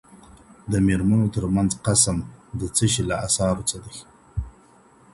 د ميرمنو تر منځ قسم د څه شي له اثارو څخه دی؟